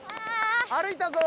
歩いたぞ！